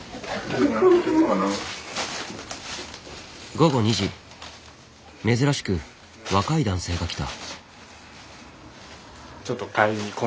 午後２時珍しく若い男性が来た。